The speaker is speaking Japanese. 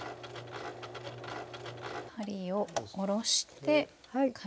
針を下ろして回転。